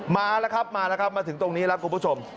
มาแล้วครับมาแล้วครับมาถึงตรงนี้แล้วคุณผู้ชม